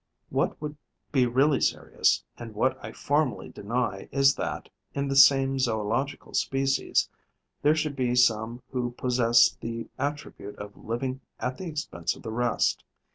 What would be really serious and what I formally deny is that, in the same zoological species, there should be some who possessed the attribute of living at the expense of the rest.